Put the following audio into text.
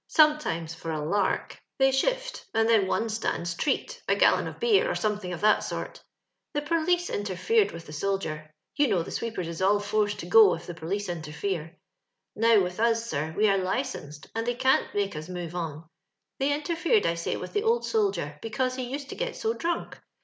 Sometimes (for a lark) they shift, and then one stands treat— a gal lon of beer, or something of that sort. The perlice interfered with the soldier — you know the sweepers is all forced to go if the perlice interfere; now with us, sir, we are licensed, and they can*t make us move on. They inter fered, I say, with the old soldier, because he used to get so drunk.